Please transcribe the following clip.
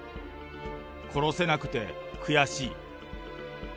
殺せなくて悔しい。